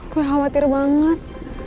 gue khawatir banget